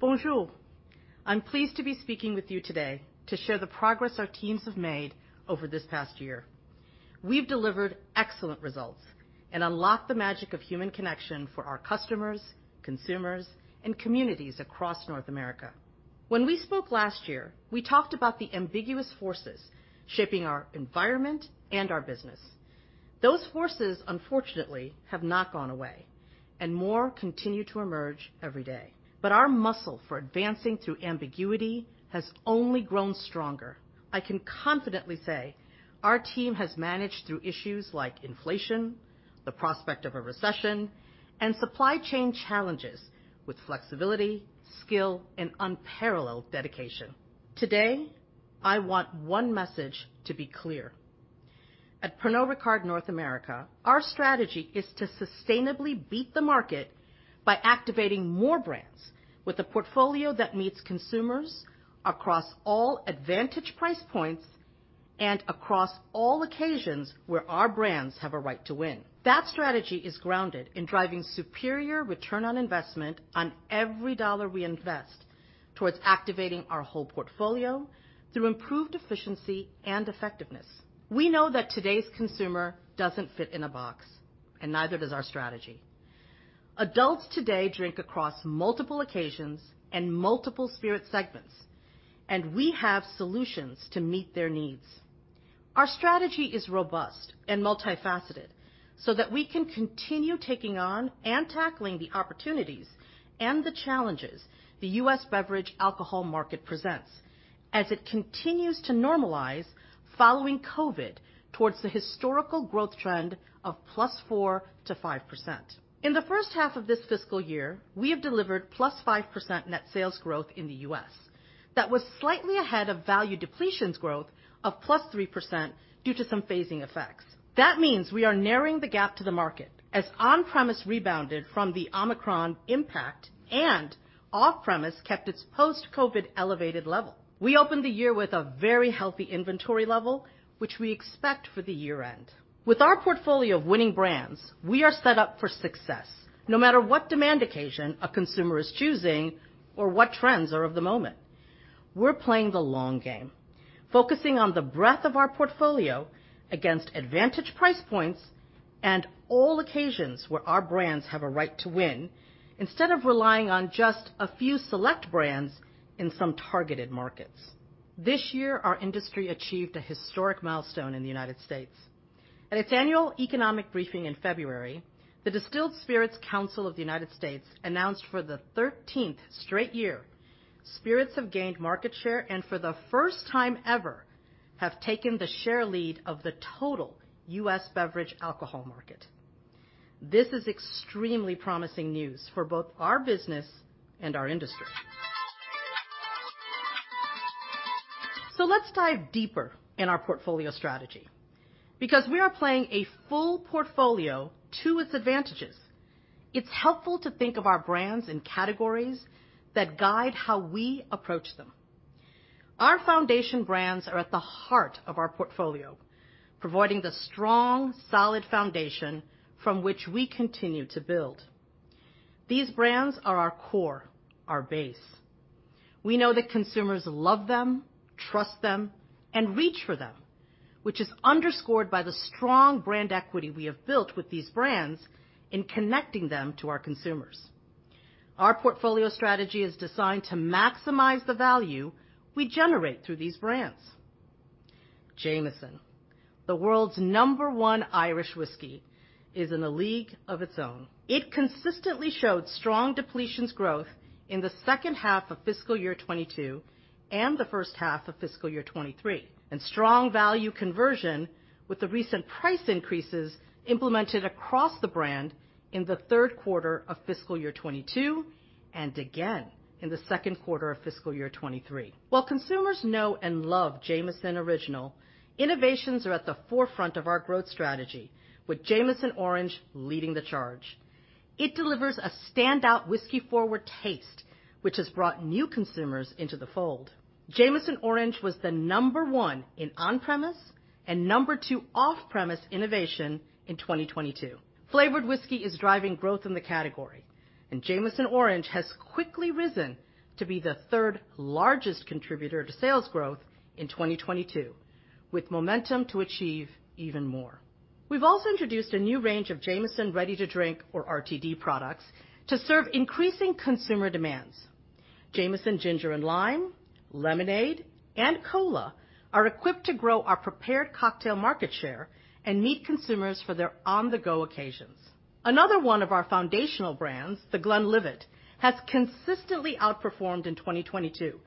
Bonjour. I'm pleased to be speaking with you today to share the progress our teams have made over this past year. We've delivered excellent results and unlocked the magic of human connection for our customers, consumers, and communities across North America. When we spoke last year, we talked about the ambiguous forces shaping our environment and our business. Those forces, unfortunately, have not gone away, and more continue to emerge every day. Our muscle for advancing through ambiguity has only grown stronger. I can confidently say our team has managed through issues like inflation, the prospect of a recession, and supply chain challenges with flexibility, skill, and unparalleled dedication. Today, I want one message to be clear. At Pernod Ricard North America, our strategy is to sustainably beat the market by activating more brands with a portfolio that meets consumers across all advantage price points and across all occasions where our brands have a right to win. That strategy is grounded in driving superior return on investment on every dollar we invest towards activating our whole portfolio through improved efficiency and effectiveness. We know that today's consumer doesn't fit in a box, and neither does our strategy. Adults today drink across multiple occasions and multiple spirit segments, and we have solutions to meet their needs. Our strategy is robust and multifaceted so that we can continue taking on and tackling the opportunities and the challenges the U.S. beverage alcohol market presents as it continues to normalize following COVID towards the historical growth trend of +4%-5%. In the first half of this fiscal year, we have delivered +5% net sales growth in the U.S. That was slightly ahead of value depletions growth of +3% due to some phasing effects. That means we are narrowing the gap to the market as on-premise rebounded from the Omicron impact and off-premise kept its post-COVID elevated level. We opened the year with a very healthy inventory level, which we expect for the year-end. With our portfolio of winning brands, we are set up for success no matter what demand occasion a consumer is choosing or what trends are of the moment. We're playing the long game, focusing on the breadth of our portfolio against advantage price points and all occasions where our brands have a right to win instead of relying on just a few select brands in some targeted markets. This year, our industry achieved a historic milestone in the United States. At its annual economic briefing in February, the Distilled Spirits Council of the United States announced for the 13th straight year, spirits have gained market share, and for the first time ever, have taken the share lead of the total US beverage alcohol market. This is extremely promising news for both our business and our industry. Let's dive deeper in our portfolio strategy. Because we are playing a full portfolio to its advantages, it's helpful to think of our brands and categories that guide how we approach them. Our foundation brands are at the heart of our portfolio, providing the strong, solid foundation from which we continue to build. These brands are our core, our base. We know that consumers love them, trust them, and reach for them, which is underscored by the strong brand equity we have built with these brands in connecting them to our consumers. Our portfolio strategy is designed to maximize the value we generate through these brands. Jameson, the world's number one Irish whiskey, is in a league of its own. It consistently showed strong depletions growth in the second half of fiscal year 2022 and the first half of fiscal year 2023, and strong value conversion with the recent price increases implemented across the brand in the third quarter of fiscal year 2022 and again in the second quarter of fiscal year 2023. While consumers know and love Jameson Original, innovations are at the forefront of our growth strategy, with Jameson Orange leading the charge. It delivers a standout whiskey-forward taste, which has brought new consumers into the fold. Jameson Orange was the number one in on-premise and number two off-premise innovation in 2022. Flavored whiskey is driving growth in the category. Jameson Orange has quickly risen to be the 3rd-largest contributor to sales growth in 2022, with momentum to achieve even more. We've also introduced a new range of Jameson ready-to-drink, or RTD products to serve increasing consumer demands. Jameson Ginger & Lime, Lemonade, and Cola are equipped to grow our prepared cocktail market share and meet consumers for their on-the-go occasions. Another one of our foundational brands, The Glenlivet, has consistently outperformed in 2022,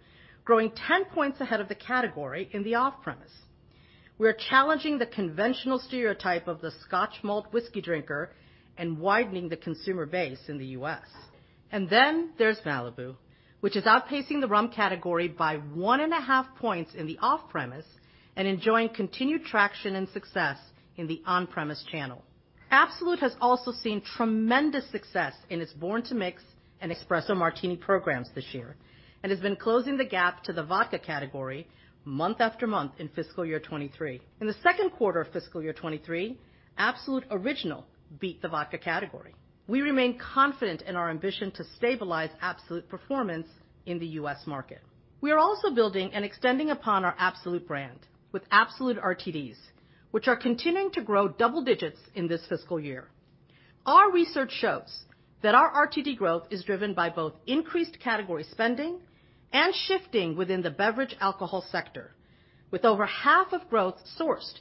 growing 10 points ahead of the category in the off-premise. We are challenging the conventional stereotype of the Scotch malt whiskey drinker and widening the consumer base in the U.S. There's Malibu, which is outpacing the rum category by 1.5 points in the off-premise and enjoying continued traction and success in the on-premise channel. Absolut has also seen tremendous success in its Born to Mix and Espresso Martini programs this year, and has been closing the gap to the vodka category month after month in fiscal year 2023. In the 2nd quarter of fiscal year 2023, Absolut Original beat the vodka category. We remain confident in our ambition to stabilize Absolut performance in the U.S. market. We are also building and extending upon our Absolut brand with Absolut RTDs, which are continuing to grow double digits in this fiscal year. Our research shows that our RTD growth is driven by both increased category spending and shifting within the beverage alcohol sector, with over half of growth sourced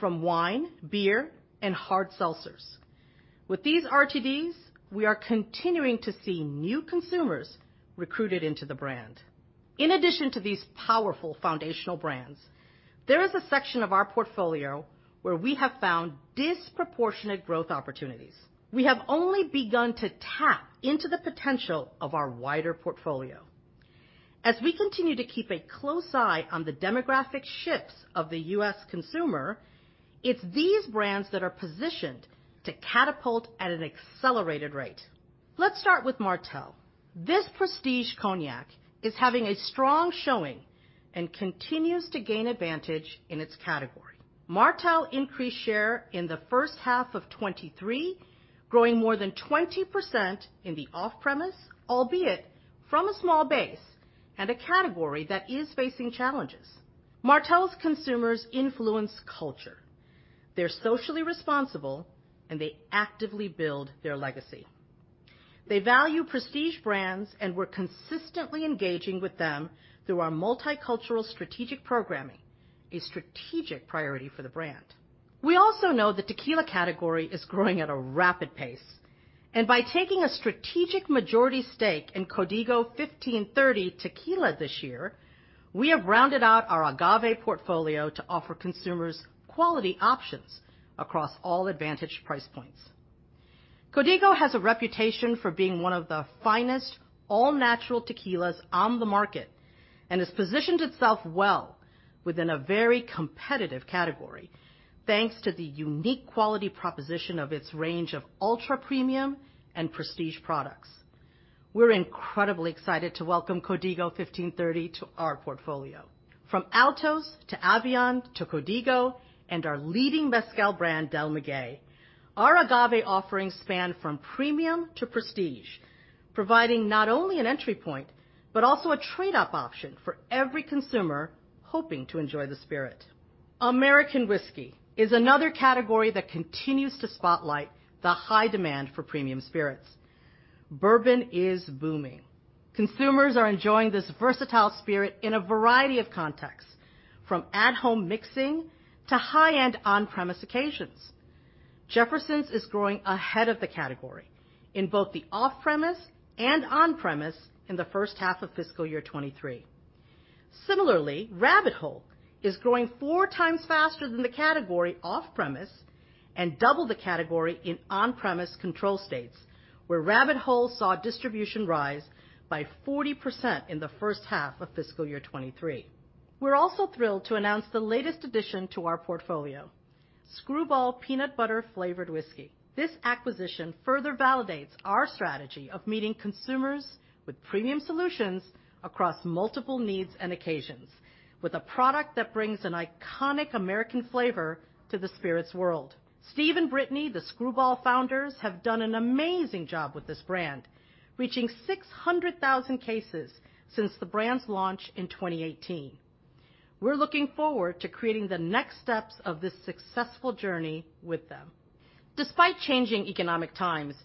from wine, beer, and hard seltzers. With these RTDs, we are continuing to see new consumers recruited into the brand. In addition to these powerful foundational brands, there is a section of our portfolio where we have found disproportionate growth opportunities. We have only begun to tap into the potential of our wider portfolio. As we continue to keep a close eye on the demographic shifts of the U.S. consumer, it's these brands that are positioned to catapult at an accelerated rate. Let's start with Martell. This prestige cognac is having a strong showing and continues to gain advantage in its category. Martell increased share in the first half of 2023, growing more than 20% in the off-premise, albeit from a small base and a category that is facing challenges. Martell's consumers influence culture. They're socially responsible, and they actively build their legacy. They value prestige brands, and we're consistently engaging with them through our multicultural strategic programming, a strategic priority for the brand. We also know the tequila category is growing at a rapid pace, and by taking a strategic majority stake in Código 1530 Tequila this year, we have rounded out our agave portfolio to offer consumers quality options across all advantage price points. Código has a reputation for being one of the finest all-natural tequilas on the market, and has positioned itself well within a very competitive category, thanks to the unique quality proposition of its range of ultra-premium and prestige products. We're incredibly excited to welcome Código 1530 to our portfolio. From Olmeca Altos to Avión to Código and our leading mezcal brand, Del Maguey, our agave offerings span from premium to prestige, providing not only an entry point, but also a trade-up option for every consumer hoping to enjoy the spirit. American whiskey is another category that continues to spotlight the high demand for premium spirits. Bourbon is booming. Consumers are enjoying this versatile spirit in a variety of contexts, from at-home mixing to high-end on-premise occasions. Jefferson's is growing ahead of the category in both the off-premise and on-premise in the first half of fiscal year 2023. Similarly, Rabbit Hole is growing 4 times faster than the category off-premise and double the category in on-premise control states, where Rabbit Hole saw distribution rise by 40% in the first half of fiscal year 2023. We're also thrilled to announce the latest addition to our portfolio, Skrewball Peanut Butter Flavored Whiskey. This acquisition further validates our strategy of meeting consumers with premium solutions across multiple needs and occasions with a product that brings an iconic American flavor to the spirits world. Steve and Brittany, the Skrewball founders, have done an amazing job with this brand, reaching 600,000 cases since the brand's launch in 2018. We're looking forward to creating the next steps of this successful journey with them. Despite changing economic times,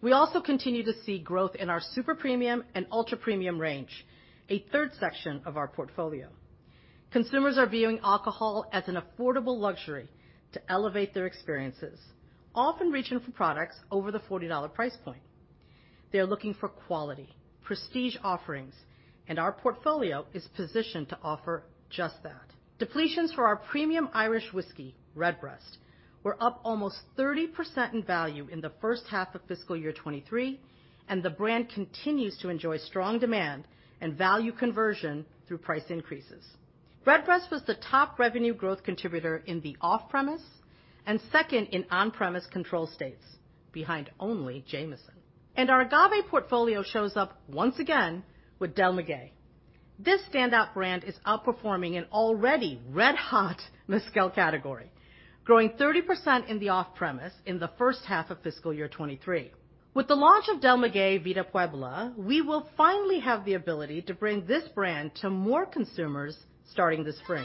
we also continue to see growth in our super premium and ultra-premium range, a third section of our portfolio. Consumers are viewing alcohol as an affordable luxury to elevate their experiences, often reaching for products over the $40 price point. They're looking for quality, prestige offerings, and our portfolio is positioned to offer just that. Depletions for our premium Irish whiskey, Redbreast, were up almost 30% in value in the first half of fiscal year 2023, and the brand continues to enjoy strong demand and value conversion through price increases. Redbreast was the top revenue growth contributor in the off-premise, and second in on-premise control states, behind only Jameson. Our agave portfolio shows up once again with Del Maguey. This standout brand is outperforming an already red-hot mezcal category, growing 30% in the off-premise in the first half of fiscal year 2023. With the launch of Del Maguey Vida Puebla, we will finally have the ability to bring this brand to more consumers starting this spring.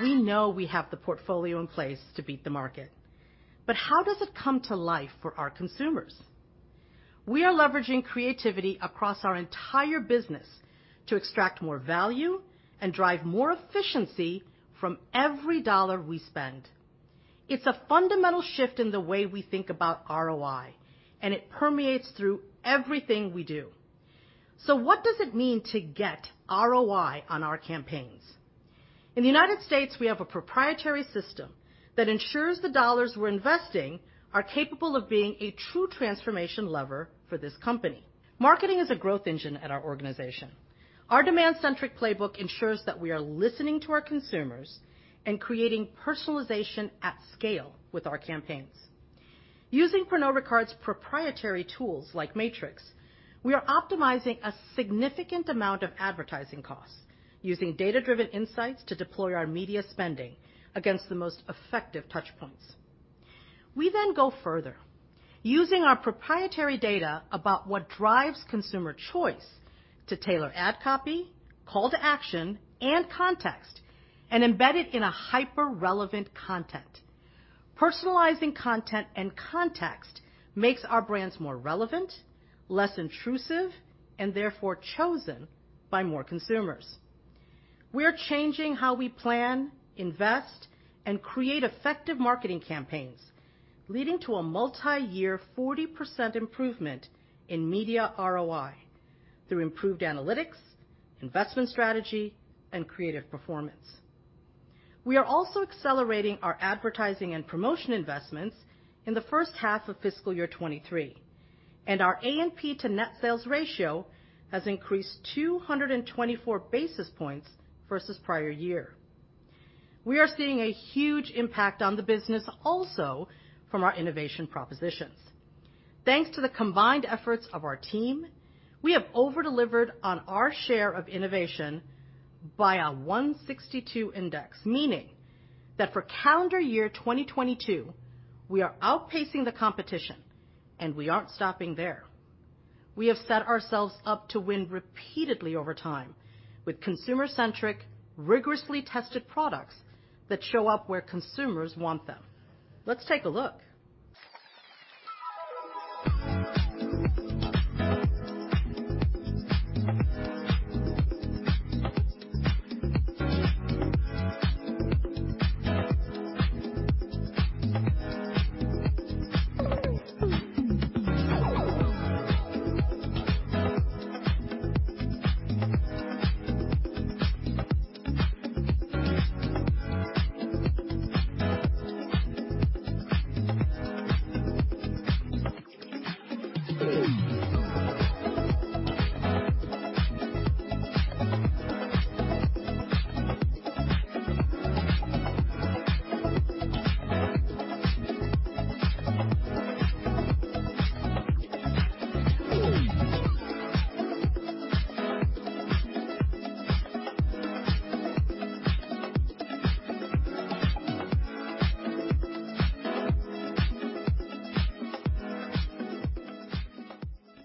We know we have the portfolio in place to beat the market, but how does it come to life for our consumers? We are leveraging creativity across our entire business to extract more value and drive more efficiency from every dollar we spend. It's a fundamental shift in the way we think about ROI. It permeates through everything we do. What does it mean to get ROI on our campaigns? In the United States, we have a proprietary system that ensures the dollars we're investing are capable of being a true transformation lever for this company. Marketing is a growth engine at our organization. Our demand-centric playbook ensures that we are listening to our consumers and creating personalization at scale with our campaigns. Using Pernod Ricard's proprietary tools like Matrix, we are optimizing a significant amount of advertising costs using data-driven insights to deploy our media spending against the most effective touch points. We go further using our proprietary data about what drives consumer choice to tailor ad copy, call to action, and context, and embed it in a hyper-relevant content. Personalizing content and context makes our brands more relevant, less intrusive, and therefore chosen by more consumers. We're changing how we plan, invest, and create effective marketing campaigns, leading to a multiyear 40% improvement in media ROI through improved analytics, investment strategy, and creative performance. We are also accelerating our advertising and promotion investments in the first half of fiscal year 2023, and our A&P to net sales ratio has increased 224 basis points versus prior year. We are seeing a huge impact on the business also from our innovation propositions. Thanks to the combined efforts of our team, we have over-delivered on our share of innovation by a 162 index, meaning that for calendar year 2022, we are outpacing the competition, and we aren't stopping there. We have set ourselves up to win repeatedly over time with consumer-centric, rigorously tested products that show up where consumers want them. Let's take a look.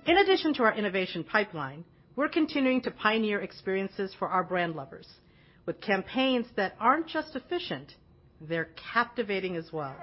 In addition to our innovation pipeline, we're continuing to pioneer experiences for our brand lovers with campaigns that aren't just efficient, they're captivating as well.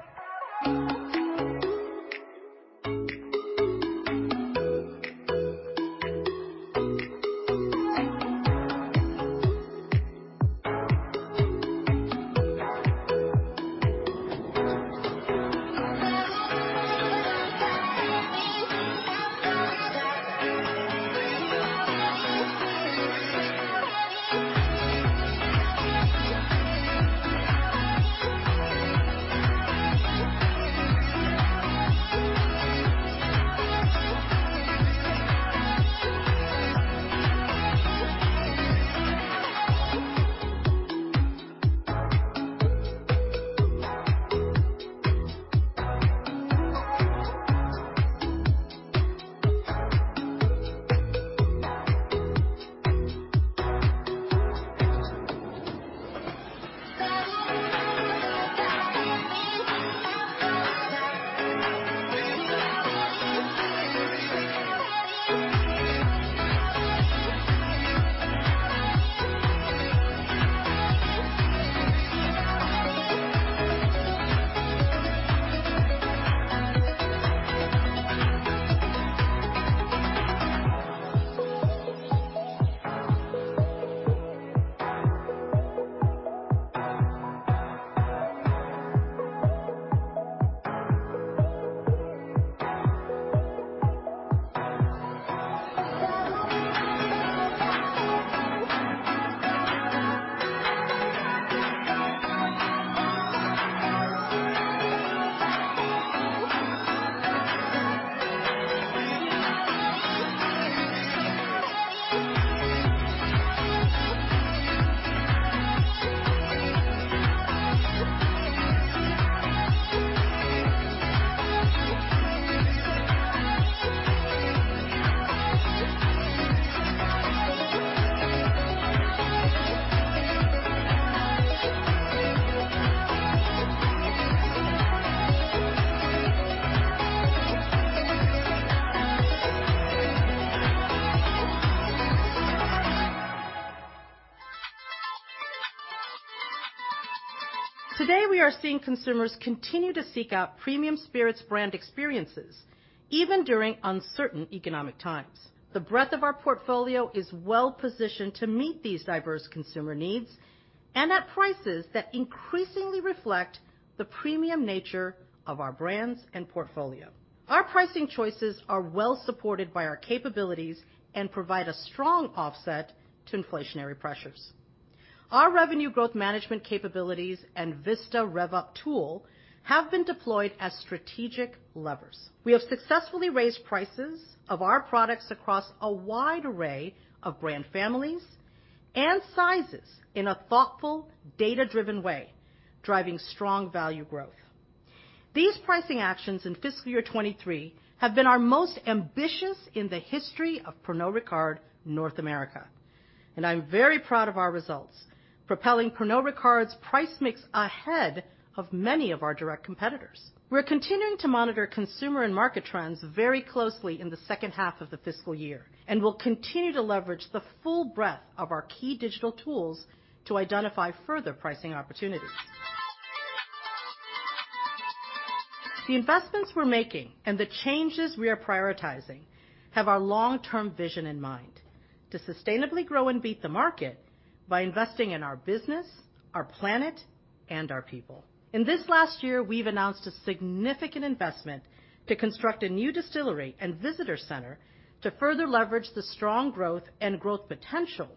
Today, we are seeing consumers continue to seek out premium spirits brand experiences, even during uncertain economic times. The breadth of our portfolio is well-positioned to meet these diverse consumer needs and at prices that increasingly reflect the premium nature of our brands and portfolio. Our pricing choices are well supported by our capabilities and provide a strong offset to inflationary pressures. Our revenue growth management capabilities and Vista Rev-Up tool have been deployed as strategic levers. We have successfully raised prices of our products across a wide array of brand families and sizes in a thoughtful, data-driven way, driving strong value growth. These pricing actions in fiscal year 2023 have been our most ambitious in the history of Pernod Ricard North America, and I'm very proud of our results, propelling Pernod Ricard's price mix ahead of many of our direct competitors. We're continuing to monitor consumer and market trends very closely in the second half of the fiscal year, and we'll continue to leverage the full breadth of our key digital tools to identify further pricing opportunities. The investments we're making and the changes we are prioritizing have our long-term vision in mind: to sustainably grow and beat the market by investing in our business, our planet, and our people. In this last year, we've announced a significant investment to construct a new distillery and visitor center to further leverage the strong growth and growth potential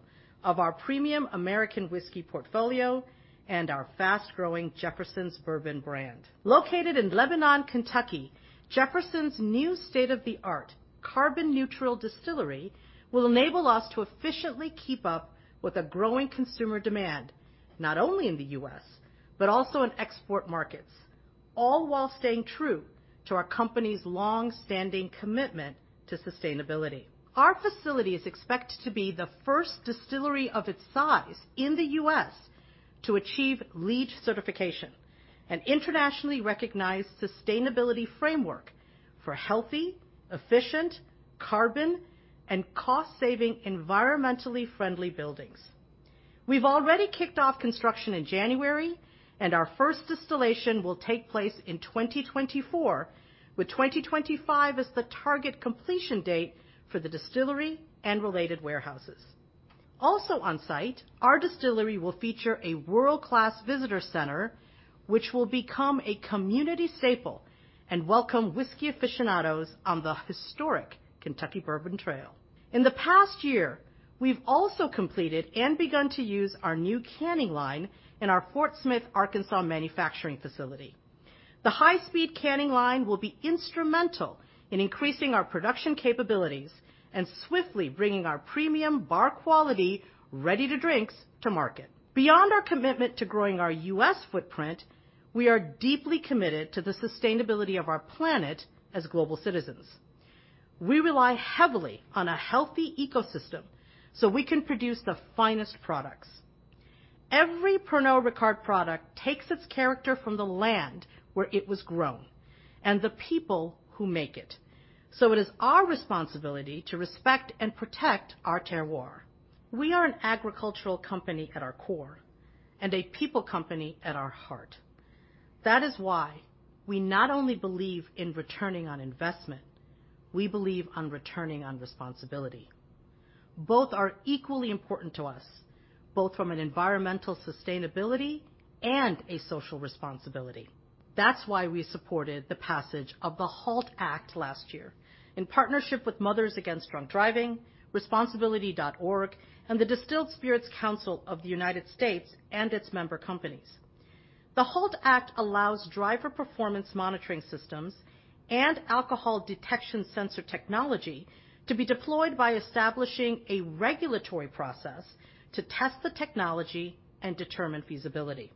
of our premium American whiskey portfolio and our fast-growing Jefferson's Bourbon brand. Located in Lebanon, Kentucky, Jefferson's new state-of-the-art carbon neutral distillery will enable us to efficiently keep up with a growing consumer demand, not only in the U.S., but also in export markets, all while staying true to our company's long-standing commitment to sustainability. Our facility is expected to be the first distillery of its size in the U.S. to achieve LEED certification, an internationally recognized sustainability framework for healthy, efficient, carbon, and cost-saving, environmentally friendly buildings. We've already kicked off construction in January. Our first distillation will take place in 2024, with 2025 as the target completion date for the distillery and related warehouses. On site, our distillery will feature a world-class visitor center, which will become a community staple and welcome whiskey aficionados on the historic Kentucky Bourbon Trail. In the past year, we've also completed and begun to use our new canning line in our Fort Smith, Arkansas, manufacturing facility. The high-speed canning line will be instrumental in increasing our production capabilities and swiftly bringing our premium bar quality, ready-to-drinks to market. Beyond our commitment to growing our U.S. footprint, we are deeply committed to the sustainability of our planet as global citizens. We rely heavily on a healthy ecosystem so we can produce the finest products. Every Pernod Ricard product takes its character from the land where it was grown and the people who make it, so it is our responsibility to respect and protect our terroir. We are an agricultural company at our core and a people company at our heart. That is why we not only believe in returning on investment, we believe on returning on responsibility. Both are equally important to us, both from an environmental sustainability and a social responsibility. That's why we supported the passage of the HALT Act last year in partnership with Mothers Against Drunk Driving, Responsibility.org, and the Distilled Spirits Council of the United States and its member companies. The HALT Act allows driver performance monitoring systems and alcohol detection sensor technology to be deployed by establishing a regulatory process to test the technology and determine feasibility.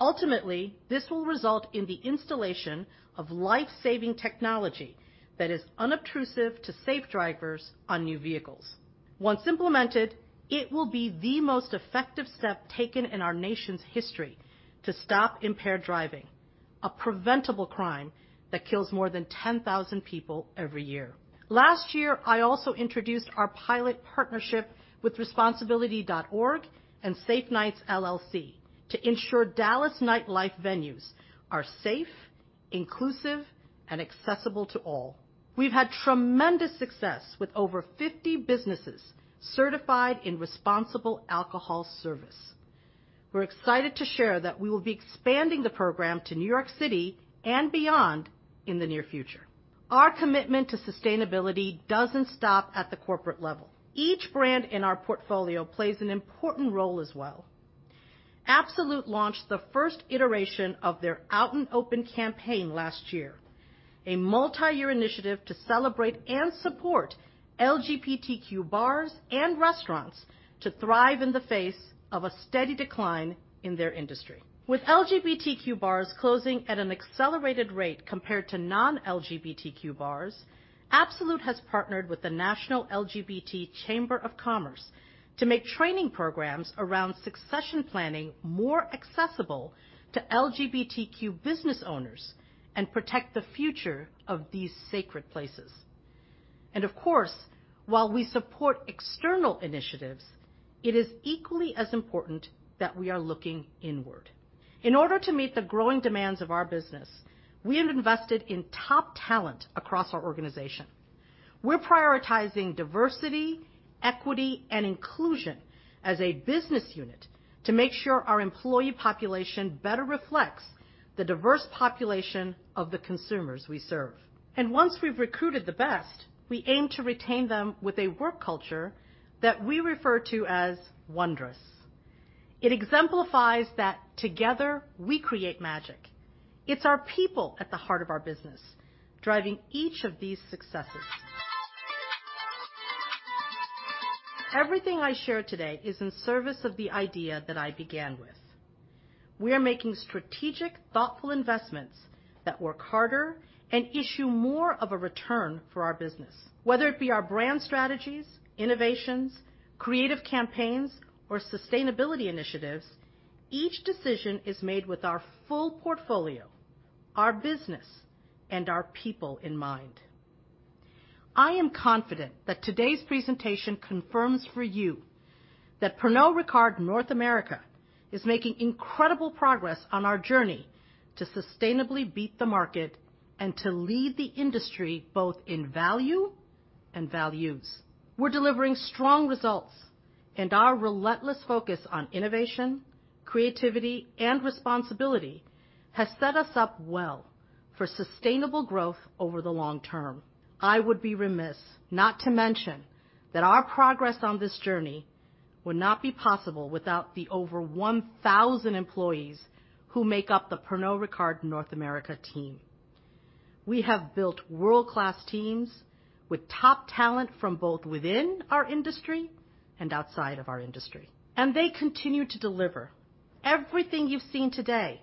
Ultimately, this will result in the installation of life-saving technology that is unobtrusive to safe drivers on new vehicles. Once implemented, it will be the most effective step taken in our nation's history to stop impaired driving, a preventable crime that kills more than 10,000 people every year. Last year, I also introduced our pilot partnership with Responsibility.org and Safe Night LLC to ensure Dallas nightlife venues are safe, inclusive, and accessible to all. We've had tremendous success with over 50 businesses certified in responsible alcohol service. We're excited to share that we will be expanding the program to New York City and beyond in the near future. Our commitment to sustainability doesn't stop at the corporate level. Each brand in our portfolio plays an important role as well. Absolut launched the first iteration of their Out & Open campaign last year, a multi-year initiative to celebrate and support LGBTQ bars and restaurants to thrive in the face of a steady decline in their industry. With LGBTQ bars closing at an accelerated rate compared to non-LGBTQ bars, Absolut has partnered with the National LGBT Chamber of Commerce to make training programs around succession planning more accessible to LGBTQ business owners and protect the future of these sacred places. Of course, while we support external initiatives, it is equally as important that we are looking inward. In order to meet the growing demands of our business, we have invested in top talent across our organization. We're prioritizing diversity, equity, and inclusion as a business unit to make sure our employee population better reflects the diverse population of the consumers we serve. Once we've recruited the best, we aim to retain them with a work culture that we refer to as wondrous. It exemplifies that together, we create magic. It's our people at the heart of our business, driving each of these successes. Everything I share today is in service of the idea that I began with. We are making strategic, thoughtful investments that work harder and issue more of a return for our business. Whether it be our brand strategies, innovations, creative campaigns, or sustainability initiatives, each decision is made with our full portfolio, our business, and our people in mind. I am confident that today's presentation confirms for you that Pernod Ricard North America is making incredible progress on our journey to sustainably beat the market and to lead the industry both in value and values. We're delivering strong results, and our relentless focus on innovation, creativity, and responsibility has set us up well for sustainable growth over the long term. I would be remiss not to mention that our progress on this journey would not be possible without the over 1,000 employees who make up the Pernod Ricard North America team. We have built world-class teams with top talent from both within our industry and outside of our industry, and they continue to deliver. Everything you've seen today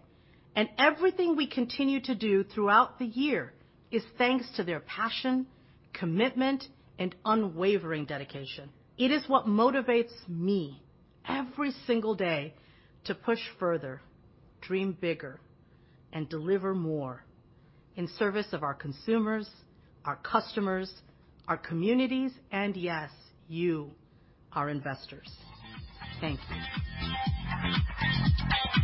and everything we continue to do throughout the year is thanks to their passion, commitment, and unwavering dedication. It is what motivates me every single day to push further, dream bigger, and deliver more in service of our consumers, our customers, our communities, and yes, you, our investors. Thank you.